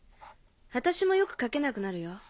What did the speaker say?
私もよく描けなくなるよ。